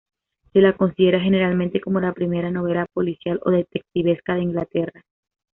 Se la considera generalmente como la primera novela policial o detectivesca de Inglaterra.